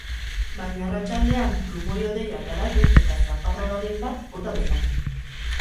Baina arratsaldean trumoi-hodeiak garatu eta zaparradaren bat bota dezake.